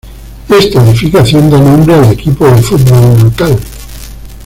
Esta edificación da nombre al equipo de fútbol local.